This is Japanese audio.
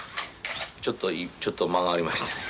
ちょっとちょっと間がありましてね。